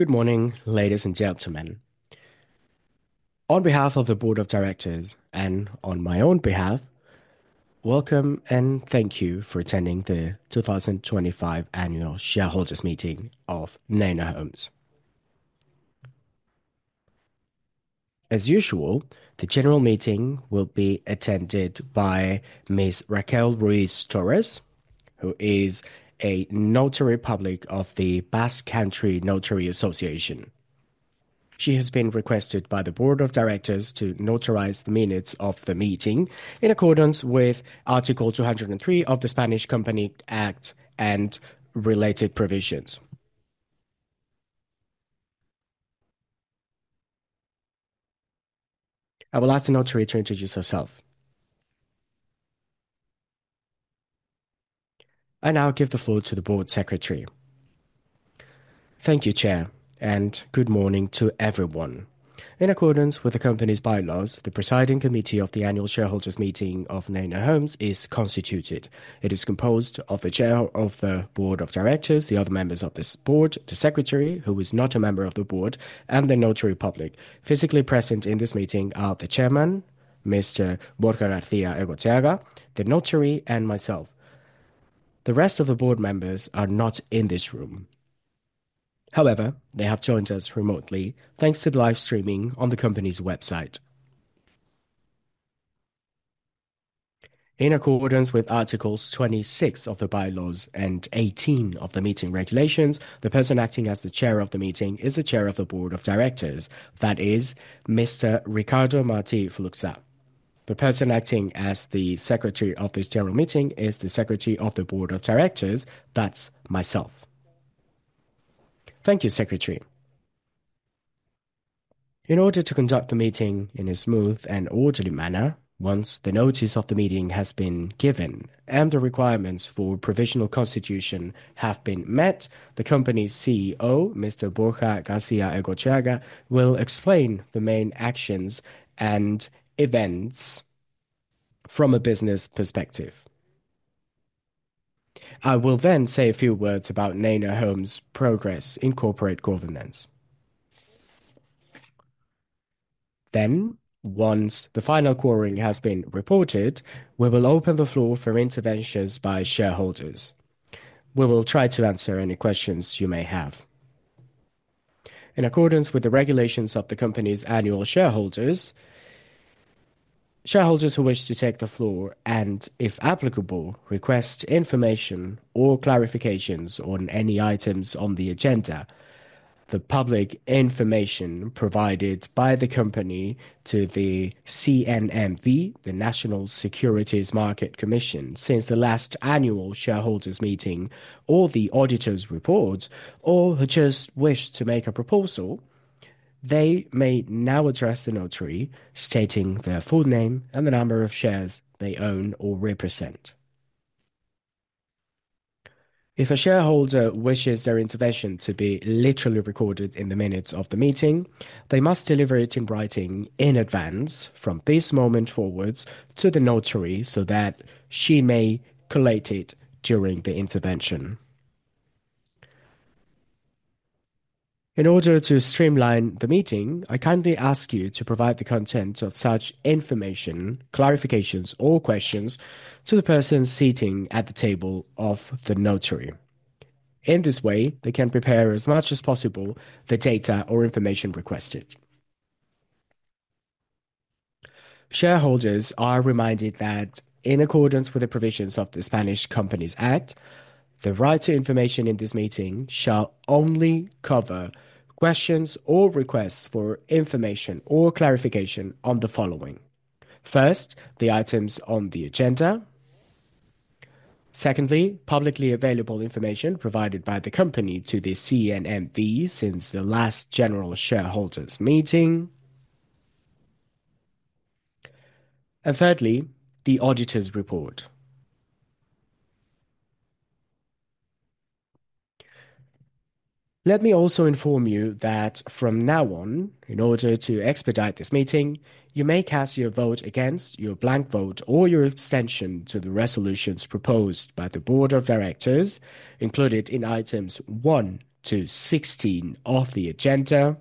Good morning, ladies and gentlemen. On behalf of the Board of Directors, and on my own behalf, welcome and thank you for attending the 2025 Annual Shareholders Meeting of Neinor Homes. As usual, the general meeting will be attended by Ms. Raquel Ruiz-Torres, who is a notary public of the Basque Country Notary Association. She has been requested by the Board of Directors to notarize the minutes of the meeting in accordance with Article 203 of the Spanish Companies Act and related provisions. I will ask the notary to introduce herself. I now give the floor to the Board Secretary. Thank you, Chair, and good morning to everyone. In accordance with the company's bylaws, the presiding committee of the Annual Shareholders Meeting of Neinor Homes is constituted. It is composed of the Chair of the Board of Directors, the other members of this board, the Secretary who is not a member of the board, and the notary public. Physically present in this meeting are the Chairman, Mr. Borja Garcia-Egotxeaga, the notary, and myself. The rest of the board members are not in this room. However, they have joined us remotely thanks to the live streaming on the company's website. In accordance with Articles 26 of the bylaws and 18 of the meeting regulations, the person acting as the Chair of the meeting is the Chair of the Board of Directors. That is, Mr. Ricardo Martí Fluxà. The person acting as the Secretary of this general meeting is the Secretary of the Board of Directors. That's myself. Thank you, Secretary. In order to conduct the meeting in a smooth and orderly manner, once the notice of the meeting has been given and the requirements for provisional constitution have been met, the company's CEO, Mr. Borja Garcia-Egotxeaga, will explain the main actions and events from a business perspective. I will then say a few words about Neinor Homes' progress in corporate governance. Then, once the final quartering has been reported, we will open the floor for interventions by shareholders. We will try to answer any questions you may have. In accordance with the regulations of the company's annual shareholders, shareholders who wish to take the floor and, if applicable, request information or clarifications on any items on the agenda. The public information provided by the company to the CNMV, the National Securities Market Commission, since the last annual shareholders meeting, or the auditor's report, or who just wish to make a proposal, they may now address the notary, stating their full name and the number of shares they own or represent. If a shareholder wishes their intervention to be literally recorded in the minutes of the meeting, they must deliver it in writing in advance from this moment forwards to the notary so that she may collate it during the intervention. In order to streamline the meeting, I kindly ask you to provide the content of such information, clarifications, or questions to the person seating at the table of the notary. In this way, they can prepare as much as possible the data or information requested. Shareholders are reminded that in accordance with the provisions of the Spanish Companies Act, the right to information in this meeting shall only cover questions or requests for information or clarification on the following. First, the items on the agenda. Secondly, publicly available information provided by the company to the CNMV since the last general shareholders meeting. Thirdly, the auditor's report. Let me also inform you that from now on, in order to expedite this meeting, you may cast your vote against, your blank vote, or your abstention to the resolutions proposed by the Board of Directors included in items 1 to 16 of the agenda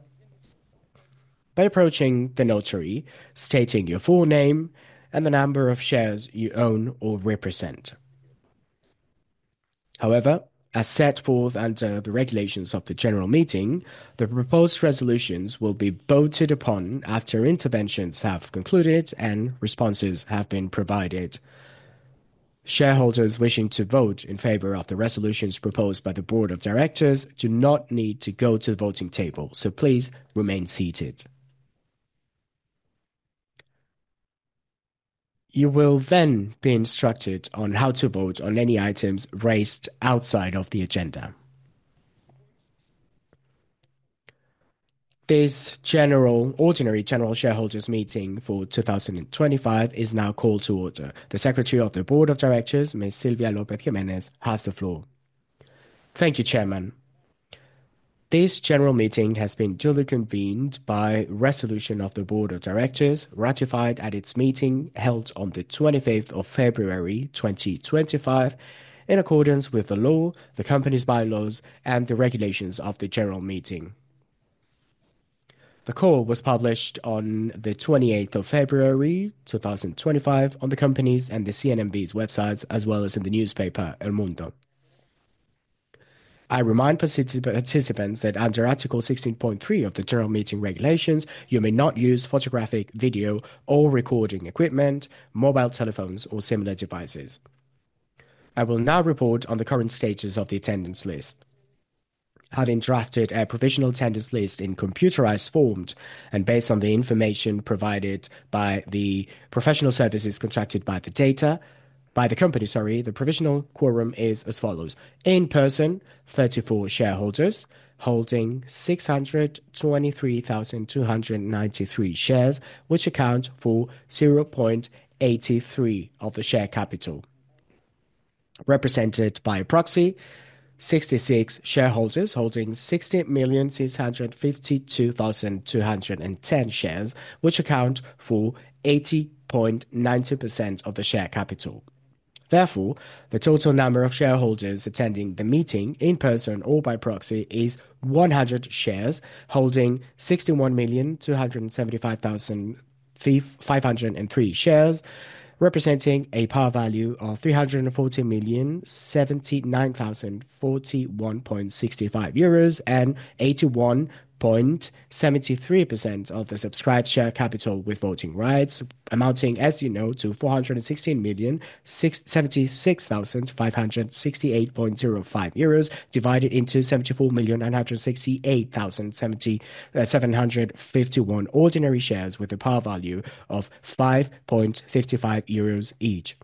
by approaching the notary, stating your full name and the number of shares you own or represent. However, as set forth under the regulations of the general meeting, the proposed resolutions will be voted upon after interventions have concluded and responses have been provided. Shareholders wishing to vote in favor of the resolutions proposed by the Board of Directors do not need to go to the voting table, so please remain seated. You will then be instructed on how to vote on any items raised outside of the agenda. This ordinary general shareholders meeting for 2025 is now called to order. The Secretary of the Board of Directors, Ms. Silvia López Jiménez, has the floor. Thank you, Chairman. This general meeting has been duly convened by resolution of the Board of Directors ratified at its meeting held on the 25th of February, 2025, in accordance with the law, the company's bylaws, and the regulations of the general meeting. The call was published on the 28th of February, 2025, on the company's and the CNMV's websites, as well as in the newspaper, El Mundo. I remind participants that under Article 16.3 of the general meeting regulations, you may not use photographic, video, or recording equipment, mobile telephones, or similar devices. I will now report on the current status of the attendance list. Having drafted a provisional attendance list in computerized form and based on the information provided by the professional services contracted by the company, the provisional quorum is as follows: in person, 34 shareholders holding 623,293 shares, which account for 0.83% of the share capital, represented by a proxy, 66 shareholders holding 60,652,210 shares, which account for 80.90% of the share capital. Therefore, the total number of shareholders attending the meeting, in person or by proxy, is 100 shareholders holding 61,275,503 shares, representing a par value of 340,079,041.65 euros and 81.73% of the subscribed share capital with voting rights, amounting, as you know, to 416,076,568.05 euros divided into 74,968,751 ordinary shares with a par value of 5.55 euros each.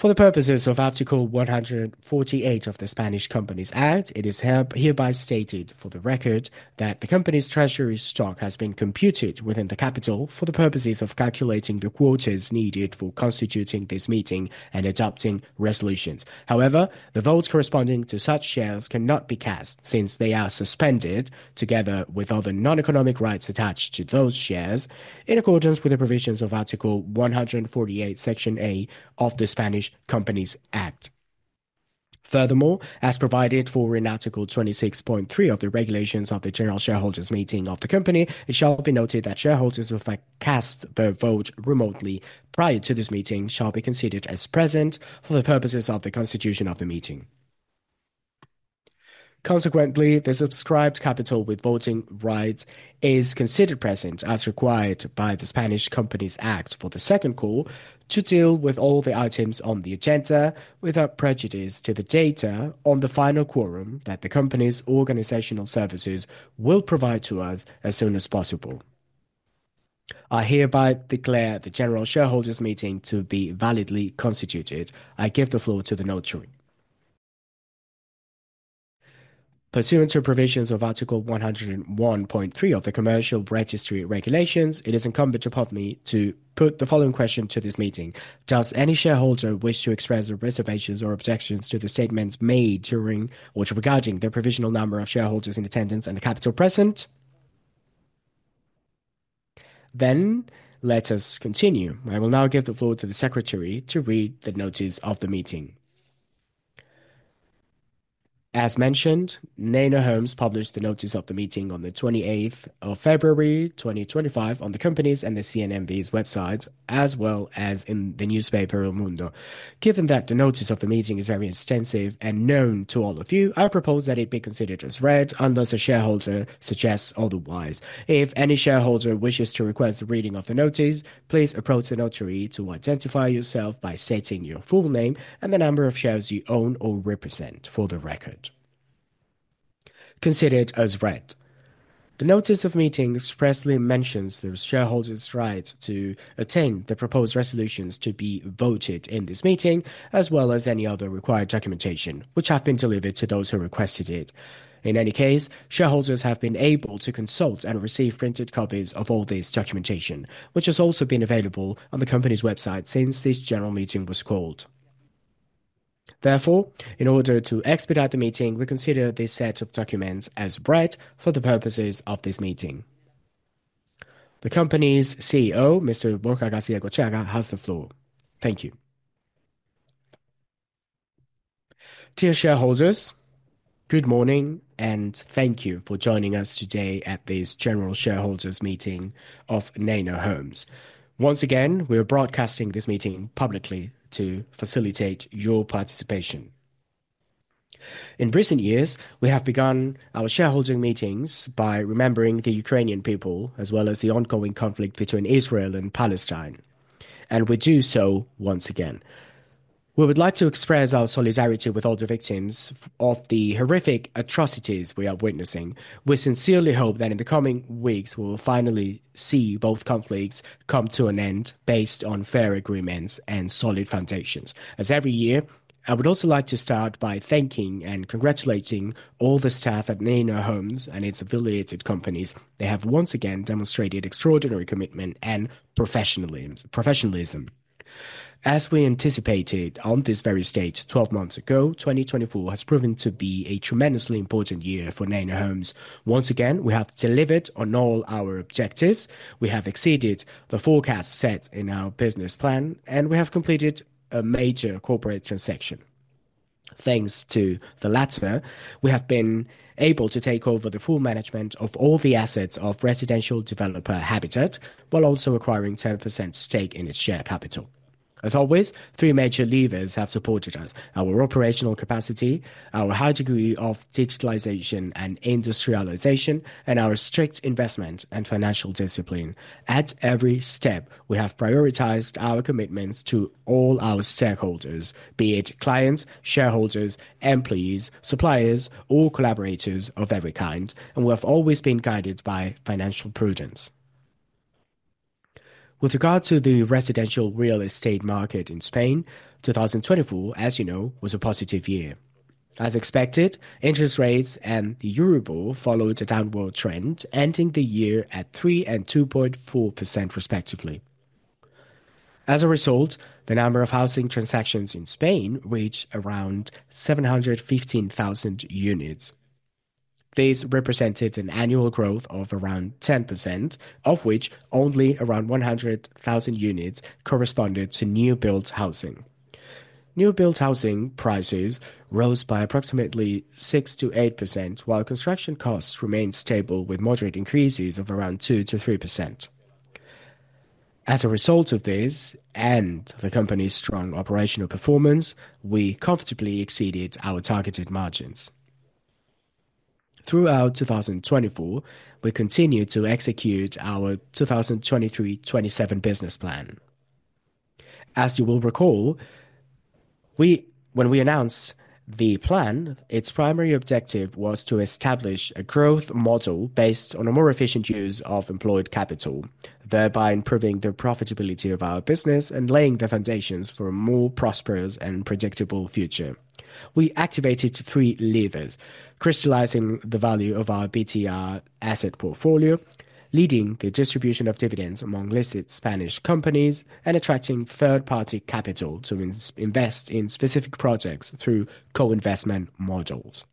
For the purposes of Article 148 of the Spanish Companies Act, it is hereby stated for the record that the company's treasury stock has been computed within the capital for the purposes of calculating the reportes needed for constituting this meeting and adopting resolutions. However, the votes corresponding to such shares cannot be cast since they are suspended together with other non-economic rights attached to those shares in accordance with the provisions of Article 148, Section A of the Spanish Companies Act. Furthermore, as provided for in Article 26.3 of the regulations of the general shareholders meeting of the company, it shall be noted that shareholders who cast the vote remotely prior to this meeting shall be considered as present for the purposes of the constitution of the meeting. Consequently, the subscribed capital with voting rights is considered present as required by the Spanish Companies Act for the second call to deal with all the items on the agenda without prejudice to the data on the final quorum that the company's organizational services will provide to us as soon as possible. I hereby declare the general shareholders meeting to be validly constituted. I give the floor to the notary. Pursuant to provisions of Article 101.3 of the Commercial Registry Regulations, it is incumbent upon me to put the following question to this meeting. Does any shareholder wish to express reservations or objections to the statements made during or regarding the provisional number of shareholders in attendance and the capital present? Let us continue. I will now give the floor to the secretary to read the notice of the meeting. As mentioned, Neinor Homes published the notice of the meeting on the 28th of February, 2025, on the company's and the CNMV's website, as well as in the newspaper, El Mundo. Given that the notice of the meeting is very extensive and known to all of you, I propose that it be considered as read unless a shareholder suggests otherwise. If any shareholder wishes to request the reading of the notice, please approach the notary to identify yourself by stating your full name and the number of shares you own or represent for the record. Considered as read, the notice of meeting expressly mentions the shareholders' right to attain the proposed resolutions to be voted in this meeting, as well as any other required documentation, which have been delivered to those who requested it. In any case, shareholders have been able to consult and receive printed copies of all this documentation, which has also been available on the company's website since this general meeting was called. Therefore, in order to expedite the meeting, we consider this set of documents as read for the purposes of this meeting. The company's CEO, Mr. Borja Garcia-Egotxeaga, has the floor. Thank you. Dear shareholders, good morning and thank you for joining us today at this general shareholders meeting of Neinor Homes. Once again, we are broadcasting this meeting publicly to facilitate your participation. In recent years, we have begun our shareholding meetings by remembering the Ukrainian people, as well as the ongoing conflict between Israel and Palestine. We do so once again. We would like to express our solidarity with all the victims of the horrific atrocities we are witnessing. We sincerely hope that in the coming weeks, we will finally see both conflicts come to an end based on fair agreements and solid foundations. As every year, I would also like to start by thanking and congratulating all the staff at Neinor Homes and its affiliated companies. They have once again demonstrated extraordinary commitment and professionalism. As we anticipated on this very stage 12 months ago, 2024 has proven to be a tremendously important year for Neinor Homes. Once again, we have delivered on all our objectives. We have exceeded the forecast set in our business plan, and we have completed a major corporate transaction. Thanks to the latter, we have been able to take over the full management of all the assets of residential developer Habitat Inmobiliaria, while also acquiring a 10% stake in its share capital. As always, three major levers have supported us: our operational capacity, our high degree of digitalization and industrialization, and our strict investment and financial discipline. At every step, we have prioritized our commitments to all our stakeholders, be it clients, shareholders, employees, suppliers, or collaborators of every kind, and we have always been guided by financial prudence. With regard to the residential real estate market in Spain, 2024, as you know, was a positive year. As expected, interest rates and the Euribor followed a downward trend, ending the year at 3% and 2.4%, respectively. As a result, the number of housing transactions in Spain reached around 715,000 units. This represented an annual growth of around 10%, of which only around 100,000 units corresponded to new-built housing. New-built housing prices rose by approximately 6%-8%, while construction costs remained stable with moderate increases of around 2%-3%. As a result of this, and the company's strong operational performance, we comfortably exceeded our targeted margins. Throughout 2024, we continued to execute our 2023-2027 business plan. As you will recall, when we announced the plan, its primary objective was to establish a growth model based on a more efficient use of employed capital, thereby improving the profitability of our business and laying the foundations for a more prosperous and predictable future. We activated three levers, crystallizing the value of our BTR asset portfolio, leading the distribution of dividends among listed Spanish companies, and attracting third-party capital to invest in specific projects through co-investment models.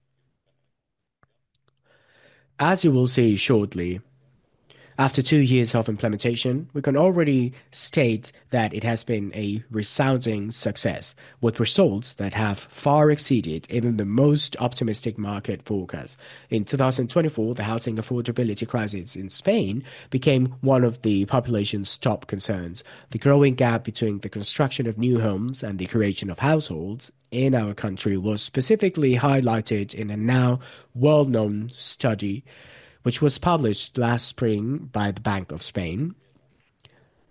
As you will see shortly, after two years of implementation, we can already state that it has been a resounding success, with results that have far exceeded even the most optimistic market forecasts. In 2024, the housing affordability crisis in Spain became one of the population's top concerns. The growing gap between the construction of new homes and the creation of households in our country was specifically highlighted in a now world-known study, which was published last spring by the Banco de España.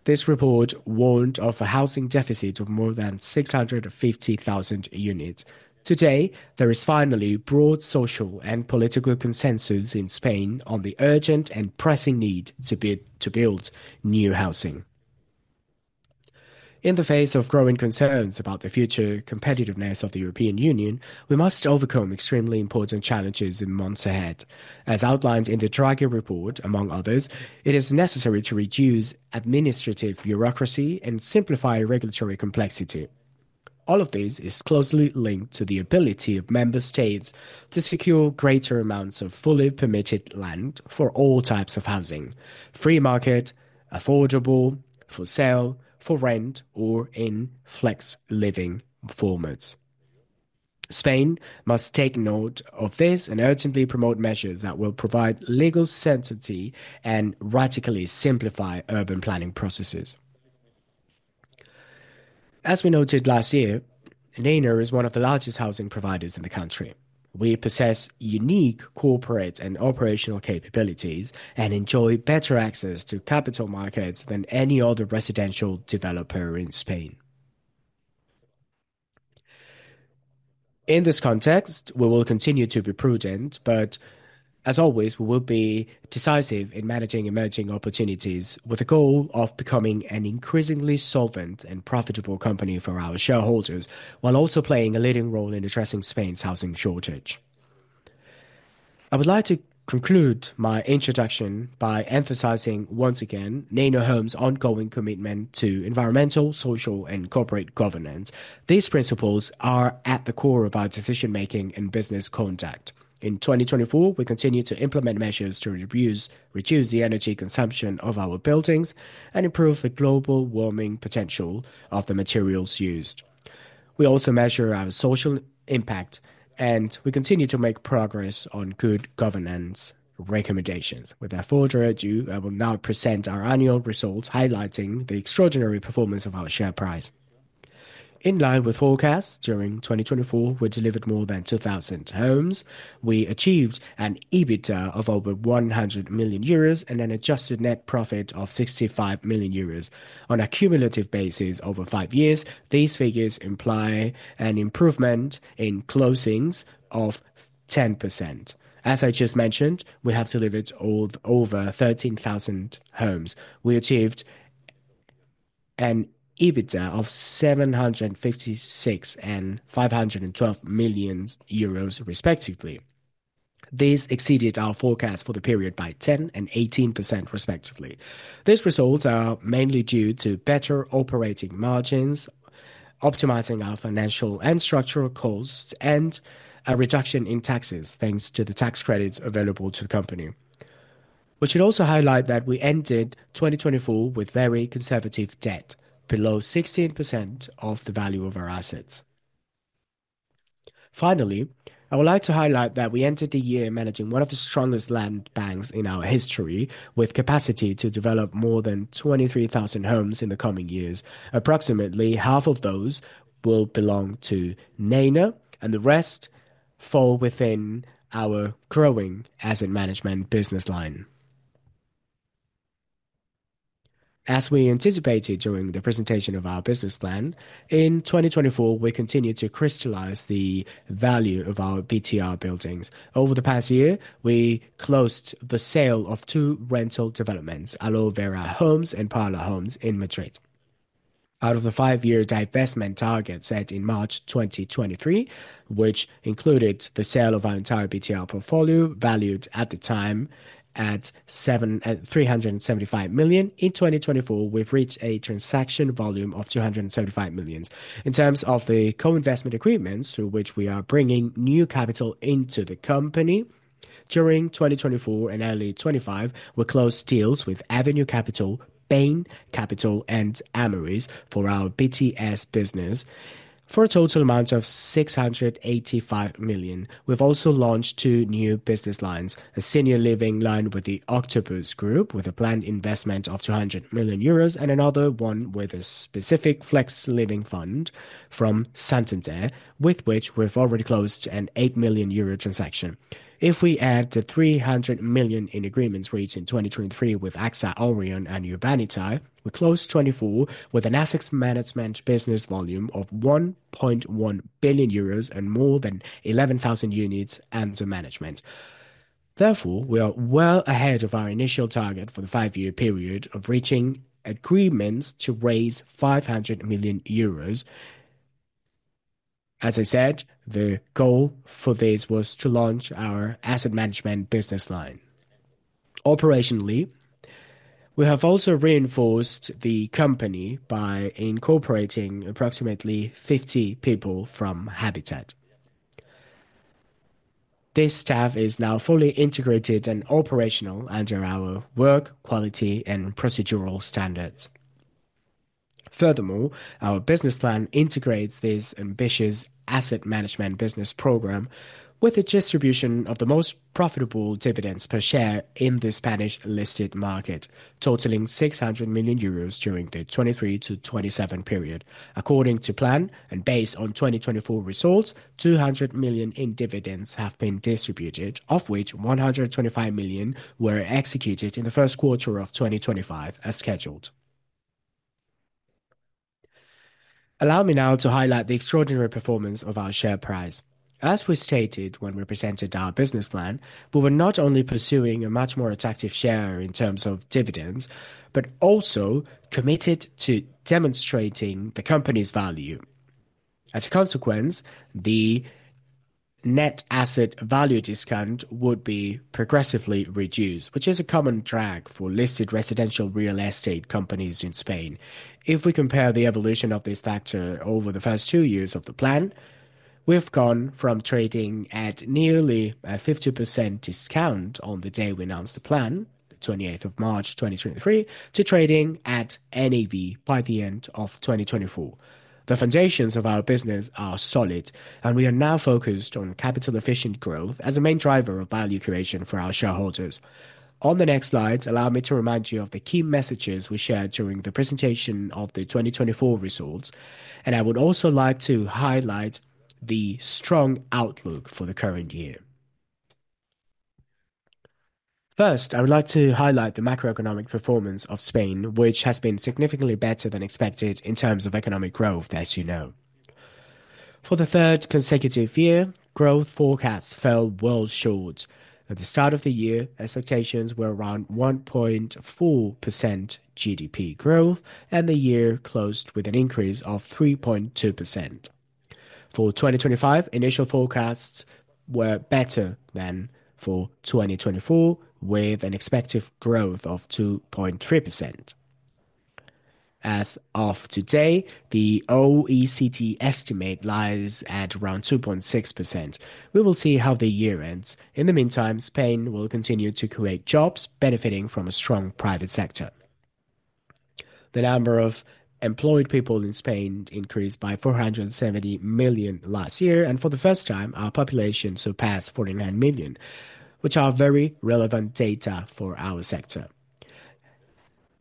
This report warned of a housing deficit of more than 650,000 units. Today, there is finally broad social and political consensus in Spain on the urgent and pressing need to build new housing. In the face of growing concerns about the future competitiveness of the European Union, we must overcome extremely important challenges in the months ahead. As outlined in the Draghi report, among others, it is necessary to reduce administrative bureaucracy and simplify regulatory complexity. All of this is closely linked to the ability of member states to secure greater amounts of fully permitted land for all types of housing: free market, affordable, for sale, for rent, or in flex living formats. Spain must take note of this and urgently promote measures that will provide legal certainty and radically simplify urban planning processes. As we noted last year, Neinor Homes is one of the largest housing providers in the country. We possess unique corporate and operational capabilities and enjoy better access to capital markets than any other residential developer in Spain. In this context, we will continue to be prudent, but as always, we will be decisive in managing emerging opportunities with the goal of becoming an increasingly solvent and profitable company for our shareholders, while also playing a leading role in addressing Spain's housing shortage. I would like to conclude my introduction by emphasizing once again Neinor Homes' ongoing commitment to environmental, social, and corporate governance. These principles are at the core of our decision-making and business conduct. In 2024, we continue to implement measures to reduce the energy consumption of our buildings and improve the global warming potential of the materials used. We also measure our social impact, and we continue to make progress on good governance recommendations. With that, I will now present our annual results, highlighting the extraordinary performance of our share price. In line with forecasts, during 2024, we delivered more than 2,000 homes. We achieved an EBITDA of over 100 million euros and an adjusted net profit of 65 million euros on a cumulative basis over five years. These figures imply an improvement in closings of 10%. As I just mentioned, we have delivered all over 13,000 homes. We achieved an EBITDA of 756 million and 512 million euros, respectively. These exceeded our forecasts for the period by 10% and 18%, respectively. These results are mainly due to better operating margins, optimizing our financial and structural costs, and a reduction in taxes, thanks to the tax credits available to the company. We should also highlight that we ended 2024 with very conservative debt, below 16% of the value of our assets. Finally, I would like to highlight that we entered the year managing one of the strongest land banks in our history, with capacity to develop more than 23,000 homes in the coming years. Approximately half of those will belong to Neinor, and the rest fall within our growing asset management business line. As we anticipated during the presentation of our business plan, in 2024, we continue to crystallize the value of our BTR buildings. Over the past year, we closed the sale of two rental developments, Alovera Homes and Parla Homes in Madrid. Out of the five-year divestment target set in March 2023, which included the sale of our entire BTR portfolio, valued at the time at 375 million, in 2024, we've reached a transaction volume of 275 million. In terms of the co-investment agreements through which we are bringing new capital into the company, during 2024 and early 2025, we closed deals with Avenue Capital, Bain Capital, and Ameris for our BTS business for a total amount of 685 million. We've also launched two new business lines: a senior living line with the Octopus Group, with a planned investment of 200 million euros, and another one with a specific flex living fund from Santander, with which we've already closed an 8 million euro transaction. If we add the 300 million in agreements reached in 2023 with AXA Orion and Urbanitae, we closed 2024 with an asset management business volume of 1.1 billion euros and more than 11,000 units under management. Therefore, we are well ahead of our initial target for the five-year period of reaching agreements to raise 500 million euros. As I said, the goal for this was to launch our asset management business line. Operationally, we have also reinforced the company by incorporating approximately 50 people from Habitat Inmobiliaria. This staff is now fully integrated and operational under our work quality and procedural standards. Furthermore, our business plan integrates this ambitious asset management business program with the distribution of the most profitable dividends per share in the Spanish listed market, totaling 600 million euros during the 2023-2027 period. According to plan and based on 2024 results, 200 million in dividends have been distributed, of which 125 million were executed in the first quarter of 2025 as scheduled. Allow me now to highlight the extraordinary performance of our share price. As we stated when we presented our business plan, we were not only pursuing a much more attractive share in terms of dividends, but also committed to demonstrating the company's value. As a consequence, the net asset value discount would be progressively reduced, which is a common drag for listed residential real estate companies in Spain. If we compare the evolution of this factor over the first two years of the plan, we've gone from trading at nearly a 50% discount on the day we announced the plan, the 28th of March 2023, to trading at NAV by the end of 2024. The foundations of our business are solid, and we are now focused on capital-efficient growth as a main driver of value creation for our shareholders. On the next slide, allow me to remind you of the key messages we shared during the presentation of the 2024 results, and I would also like to highlight the strong outlook for the current year. First, I would like to highlight the macroeconomic performance of Spain, which has been significantly better than expected in terms of economic growth, as you know. For the third consecutive year, growth forecasts fell well short. At the start of the year, expectations were around 1.4% GDP growth, and the year closed with an increase of 3.2%. For 2025, initial forecasts were better than for 2024, with an expected growth of 2.3%. As of today, the OECD estimate lies at around 2.6%. We will see how the year ends. In the meantime, Spain will continue to create jobs, benefiting from a strong private sector. The number of employed people in Spain increased by 470,000 last year, and for the first time, our population surpassed 49 million, which are very relevant data for our sector.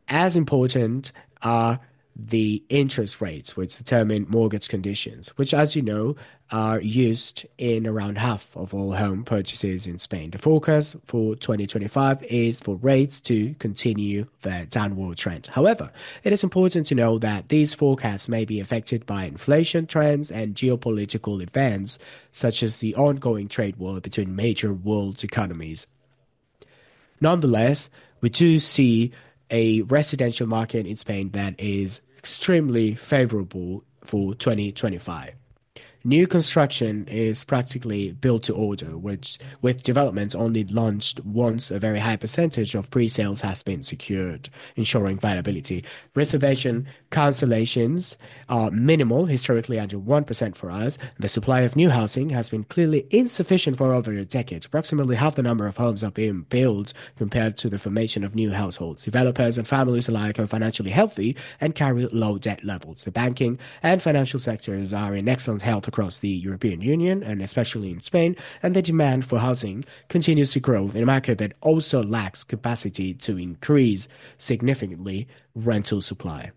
As important are the interest rates, which determine mortgage conditions, which, as you know, are used in around half of all home purchases in Spain. The forecast for 2025 is for rates to continue their downward trend. However, it is important to know that these forecasts may be affected by inflation trends and geopolitical events, such as the ongoing trade war between major world economies. Nonetheless, we do see a residential market in Spain that is extremely favorable for 2025. New construction is practically built to order, which, with developments only launched once, a very high percentage of pre-sales has been secured, ensuring viability. Reservation cancellations are minimal, historically under 1% for us. The supply of new housing has been clearly insufficient for over a decade. Approximately half the number of homes have been built compared to the formation of new households. Developers and families alike are financially healthy and carry low debt levels. The banking and financial sectors are in excellent health across the European Union, and especially in Spain, and the demand for housing continues to grow in a market that also lacks capacity to increase significantly rental supply.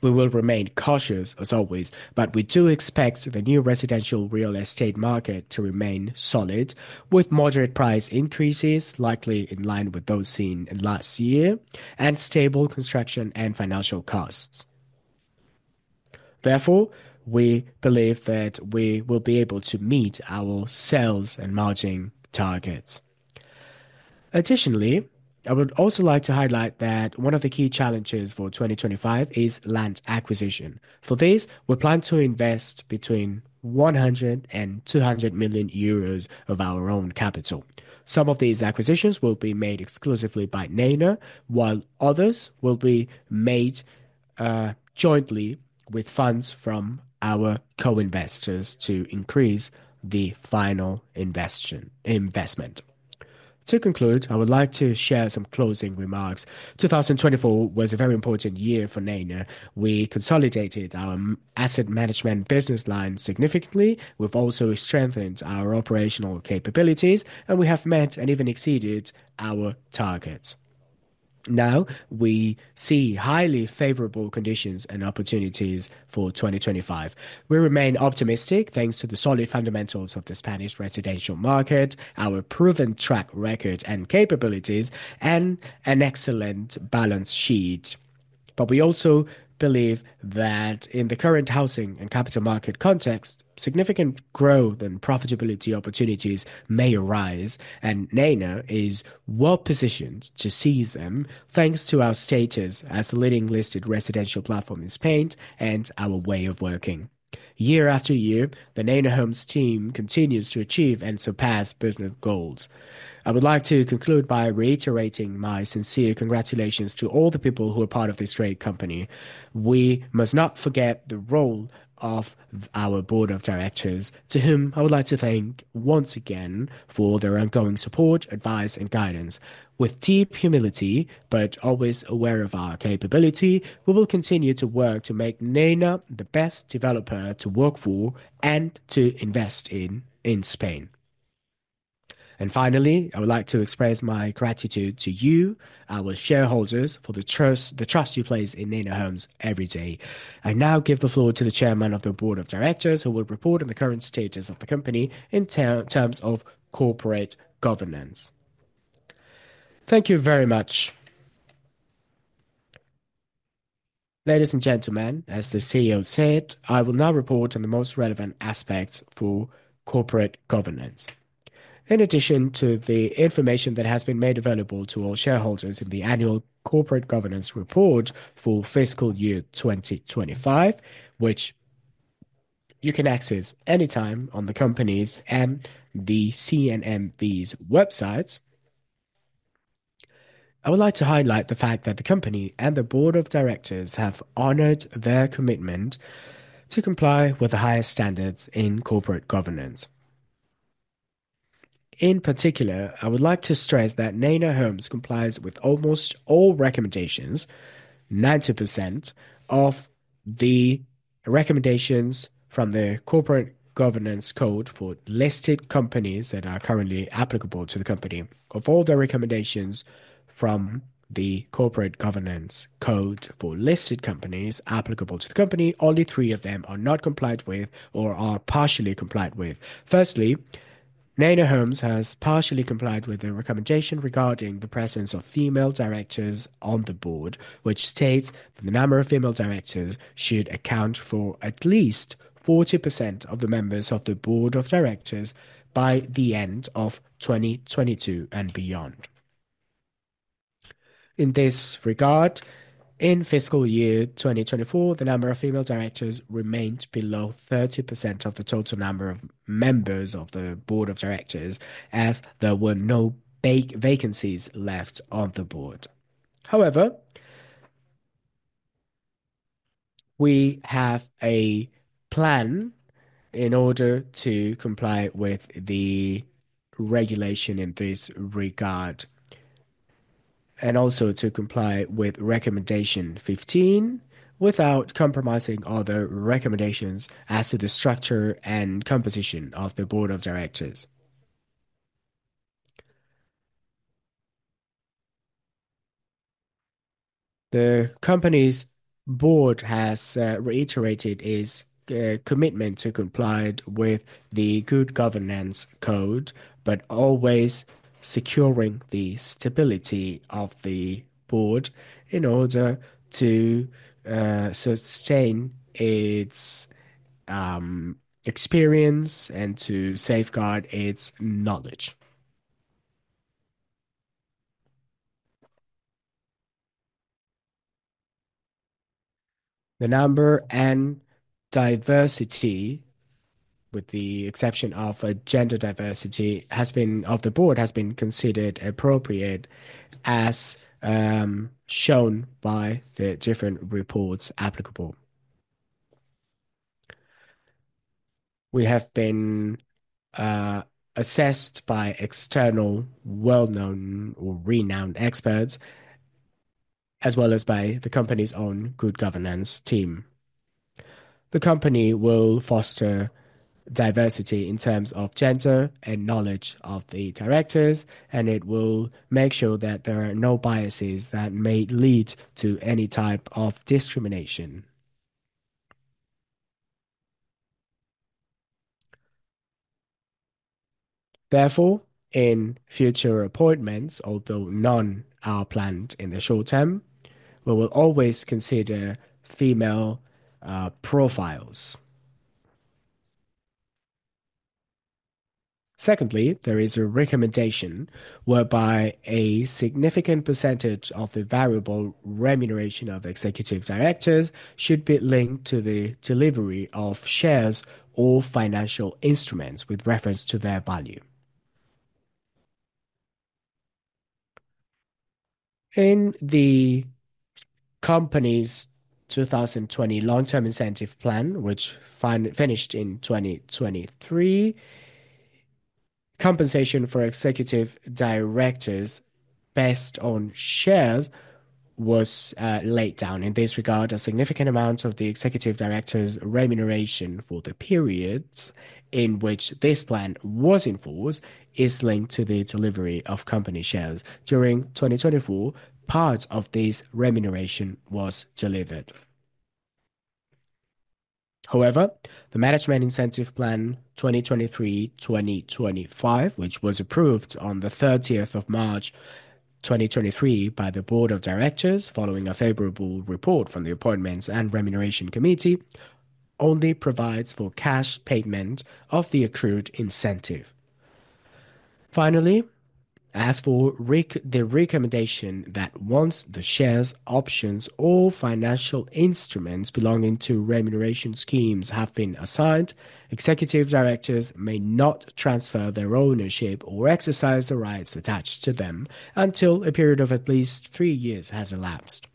We will remain cautious, as always, but we do expect the new residential real estate market to remain solid, with moderate price increases likely in line with those seen last year, and stable construction and financial costs. Therefore, we believe that we will be able to meet our sales and margin targets. Additionally, I would also like to highlight that one of the key challenges for 2025 is land acquisition. For this, we plan to invest between 100 million euros and 200 million euros of our own capital. Some of these acquisitions will be made exclusively by Neinor Homes, while others will be made jointly with funds from our co-investors to increase the final investment. To conclude, I would like to share some closing remarks. 2024 was a very important year for Neinor Homes. We consolidated our asset management business line significantly. We've also strengthened our operational capabilities, and we have met and even exceeded our targets. Now, we see highly favorable conditions and opportunities for 2025. We remain optimistic thanks to the solid fundamentals of the Spanish residential market, our proven track record and capabilities, and an excellent balance sheet. We also believe that in the current housing and capital market context, significant growth and profitability opportunities may arise, and Neinor Homes is well positioned to seize them, thanks to our status as the leading listed residential platform in Spain and our way of working. Year after year, the Neinor Homes team continues to achieve and surpass business goals. I would like to conclude by reiterating my sincere congratulations to all the people who are part of this great company. We must not forget the role of our Board of Directors, to whom I would like to thank once again for their ongoing support, advice, and guidance. With deep humility, but always aware of our capability, we will continue to work to make Neinor Homes the best developer to work for and to invest in in Spain. Finally, I would like to express my gratitude to you, our shareholders, for the trust you place in Neinor Homes every day. I now give the floor to the Chairman of the Board of Directors, who will report on the current status of the company in terms of corporate governance. Thank you very much. Ladies and gentlemen, as the CEO said, I will now report on the most relevant aspects for corporate governance. In addition to the information that has been made available to all shareholders in the annual corporate governance report for fiscal year 2025, which you can access anytime on the company's and the CNMV's websites, I would like to highlight the fact that the company and the Board of Directors have honored their commitment to comply with the highest standards in corporate governance. In particular, I would like to stress that Neinor Homes complies with almost all recommendations, 90% of the recommendations from the Corporate Governance Code for listed companies that are currently applicable to the company. Of all the recommendations from the Corporate Governance Code for listed companies applicable to the company, only three of them are not complied with or are partially complied with. Firstly, Neinor Homes has partially complied with the recommendation regarding the presence of female directors on the board, which states that the number of female directors should account for at least 40% of the members of the board of directors by the end of 2022 and beyond. In this regard, in fiscal year 2024, the number of female directors remained below 30% of the total number of members of the board of directors, as there were no vacancies left on the board. However, we have a plan in order to comply with the regulation in this regard, and also to comply with recommendation 15 without compromising other recommendations as to the structure and composition of the board of directors. The company's board has reiterated its commitment to comply with the good governance code, but always securing the stability of the board in order to sustain its experience and to safeguard its knowledge. The number and diversity, with the exception of gender diversity, has been of the board has been considered appropriate, as shown by the different reports applicable. We have been assessed by external, well-known or renowned experts, as well as by the company's own good governance team. The company will foster diversity in terms of gender and knowledge of the directors, and it will make sure that there are no biases that may lead to any type of discrimination. Therefore, in future appointments, although none are planned in the short term, we will always consider female profiles. Secondly, there is a recommendation whereby a significant percentage of the variable remuneration of executive directors should be linked to the delivery of shares or financial instruments with reference to their value. In the company's 2020 long-term incentive plan, which finished in 2023, compensation for executive directors based on shares was laid down. In this regard, a significant amount of the Executive Directors' remuneration for the periods in which this plan was enforced is linked to the delivery of company shares. During 2024, part of this remuneration was delivered. However, the management incentive plan 2023-2025, which was approved on the 30th of March 2023 by the Board of Directors following a favorable report from the Appointments and Remuneration Committee, only provides for cash payment of the accrued incentive. Finally, as for the recommendation that once the shares, options, or financial instruments belonging to remuneration schemes have been assigned, executive directors may not transfer their ownership or exercise the rights attached to them until a period of at least three years has elapsed.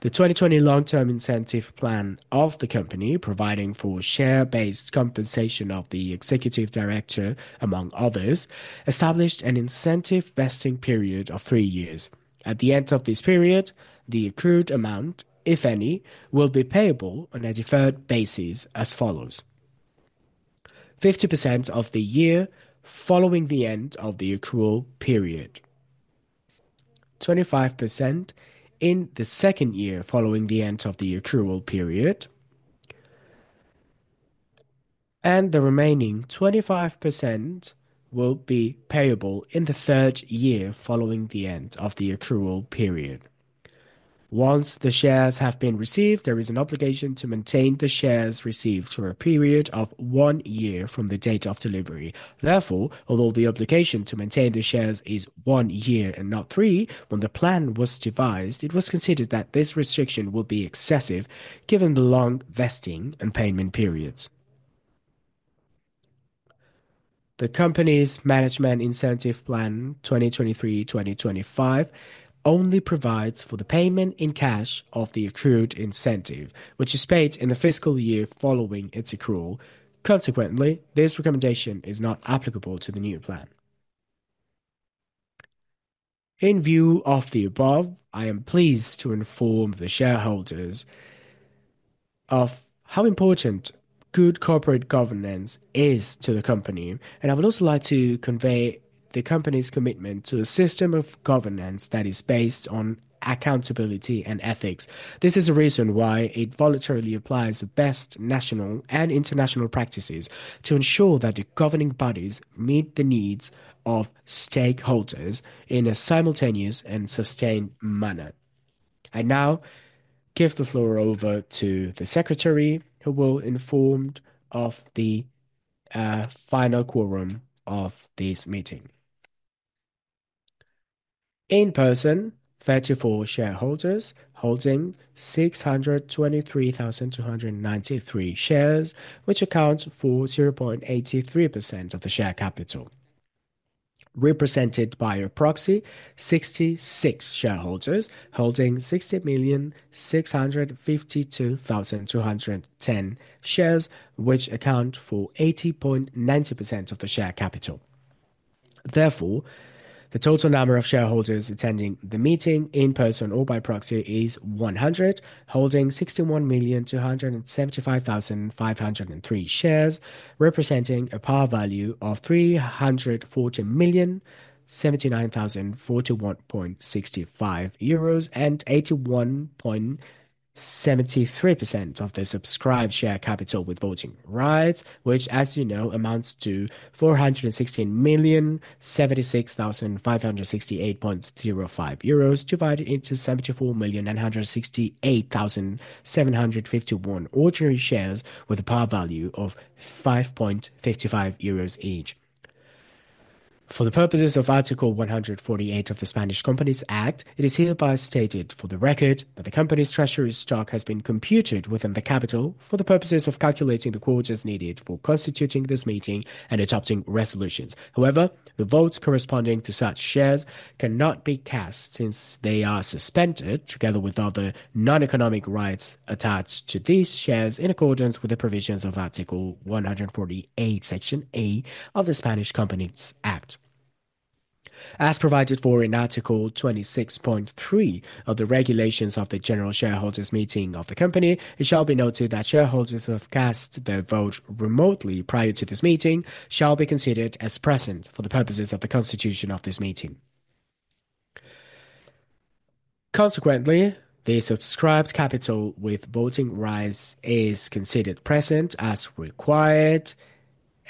The 2020 long-term incentive plan of the company, providing for share-based compensation of the executive director, among others, established an incentive vesting period of three years. At the end of this period, the accrued amount, if any, will be payable on a deferred basis as follows: 50% of the year following the end of the accrual period, 25% in the second year following the end of the accrual period, and the remaining 25% will be payable in the third year following the end of the accrual period. Once the shares have been received, there is an obligation to maintain the shares received for a period of one year from the date of delivery. Therefore, although the obligation to maintain the shares is one year and not three, when the plan was devised, it was considered that this restriction would be excessive given the long vesting and payment periods. The company's management incentive plan 2023-2025 only provides for the payment in cash of the accrued incentive, which is paid in the fiscal year following its accrual. Consequently, this recommendation is not applicable to the new plan. In view of the above, I am pleased to inform the shareholders of how important good corporate governance is to the company, and I would also like to convey the company's commitment to a system of governance that is based on accountability and ethics. This is a reason why it voluntarily applies the best national and international practices to ensure that the governing bodies meet the needs of stakeholders in a simultaneous and sustained manner. I now give the floor over to the Secretary, who will inform of the final quorum of this meeting. In person, 34 shareholders holding 623,293 shares, which account for 0.83% of the share capital. Represented by a proxy, 66 shareholders holding 60,652,210 shares, which account for 80.90% of the share capital. Therefore, the total number of shareholders attending the meeting in person or by proxy is 100, holding 61,275,503 shares, representing a par value of 340,079,041.65 euros and 81.73% of the subscribed share capital with voting rights, which, as you know, amounts to 416,076,568.05 euros divided into 74,968,751 ordinary shares with a par value of 5.55 euros each. For the purposes of Article 148 of the Spanish Companies Act, it is hereby stated for the record that the company's treasury stock has been computed within the capital for the purposes of calculating the quo needed for constituting this meeting and adopting resolutions. However, the votes corresponding to such shares cannot be cast since they are suspended together with other non-economic rights attached to these shares in accordance with the provisions of Article 148, Section A of the Spanish Companies Act. As provided for in Article 26.3 of the Regulations of the General Shareholders Meeting of the Company, it shall be noted that shareholders who have cast their vote remotely prior to this meeting shall be considered as present for the purposes of the constitution of this meeting. Consequently, the subscribed capital with voting rights is considered present as required,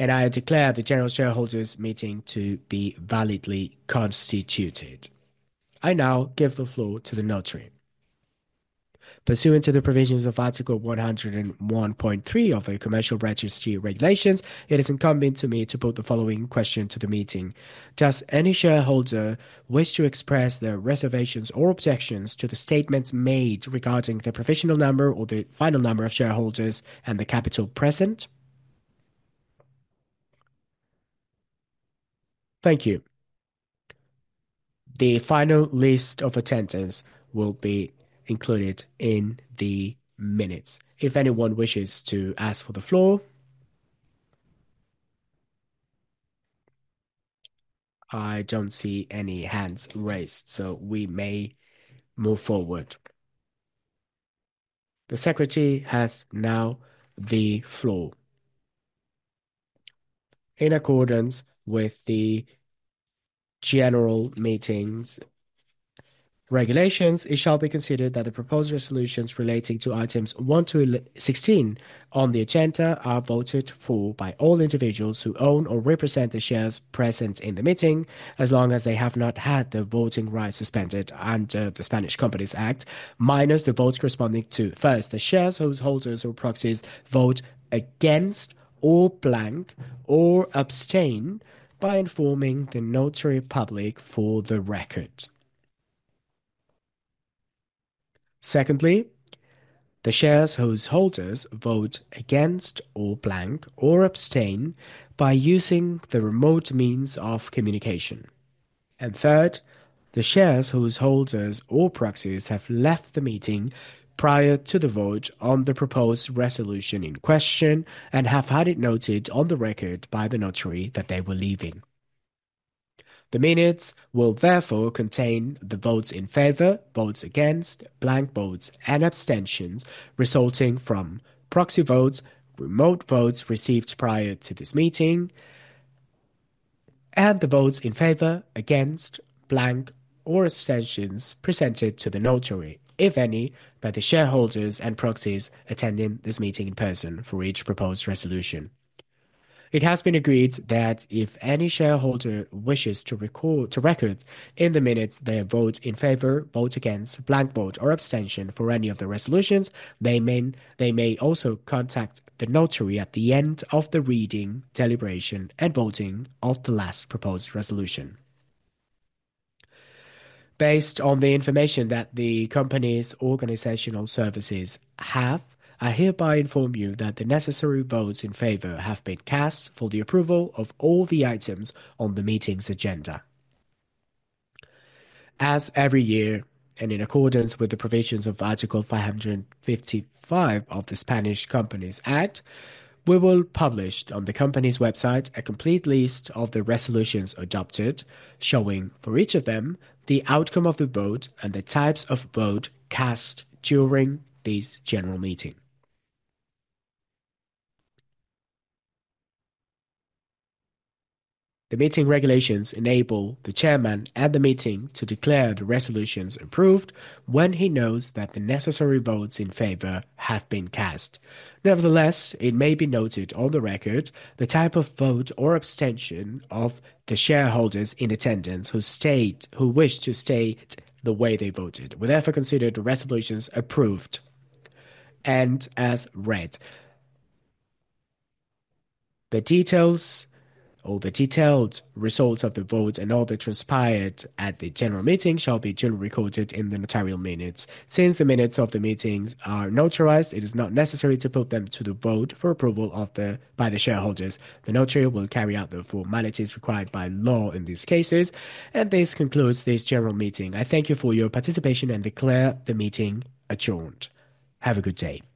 and I declare the General Shareholders Meeting to be validly constituted. I now give the floor to the notary. Pursuant to the provisions of Article 101.3 of the Commercial Registry Regulations, it is incumbent to me to put the following question to the meeting. Does any shareholder wish to express their reservations or objections to the statements made regarding the provisional number or the final number of shareholders and the capital present? Thank you. The final list of attendance will be included in the minutes. If anyone wishes to ask for the floor, I don't see any hands raised, so we may move forward. The secretary has now the floor. In accordance with the general meeting's regulations, it shall be considered that the proposed resolutions relating to items 1 to 16 on the agenda are voted for by all individuals who own or represent the shares present in the meeting, as long as they have not had their voting rights suspended under the Spanish Companies Act, minus the votes corresponding to first the shares whose holders or proxies vote against or blank or abstain by informing the notary public for the record. Secondly, the shares whose holders vote against or blank or abstain by using the remote means of communication. Third, the shares whose holders or proxies have left the meeting prior to the vote on the proposed resolution in question and have had it noted on the record by the notary that they were leaving. The minutes will therefore contain the votes in favor, votes against, blank votes, and abstentions resulting from proxy votes, remote votes received prior to this meeting, and the votes in favor, against, blank, or abstentions presented to the notary, if any, by the shareholders and proxies attending this meeting in person for each proposed resolution. It has been agreed that if any shareholder wishes to record in the minutes their vote in favor, vote against, blank vote, or abstention for any of the resolutions, they may also contact the notary at the end of the reading, deliberation, and voting of the last proposed resolution. Based on the information that the company's organizational services have, I hereby inform you that the necessary votes in favor have been cast for the approval of all the items on the meeting's agenda. As every year, and in accordance with the provisions of Article 555 of the Spanish Companies Act, we will publish on the company's website a complete list of the resolutions adopted, showing for each of them the outcome of the vote and the types of vote cast during this general meeting. The meeting regulations enable the Chairman and the meeting to declare the resolutions approved when he knows that the necessary votes in favor have been cast. Nevertheless, it may be noted on the record the type of vote or abstention of the shareholders in attendance who wish to state the way they voted, whatever considered the resolutions approved and as read. The details or the detailed results of the vote and all that transpired at the general meeting shall be generally recorded in the notarial minutes. Since the minutes of the meetings are notarized, it is not necessary to put them to the vote for approval by the shareholders. The notary will carry out the formalities required by law in these cases, and this concludes this general meeting. I thank you for your participation and declare the meeting adjourned. Have a good day.